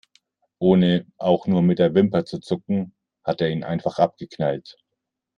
Ohne auch nur mit der Wimper zu zucken, hat er ihn einfach abgeknallt.